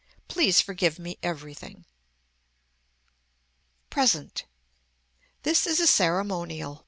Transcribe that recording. Please forgive me everything. PRESENT This is a ceremonial.